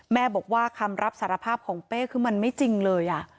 แม่บอกว่าคำรับสารภาพของเป้คือมันไม่จริงเลย